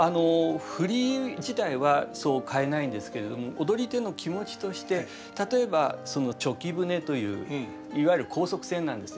振り自体はそう変えないんですけれども踊り手の気持ちとして例えばその猪牙舟といういわゆる高速船なんですね。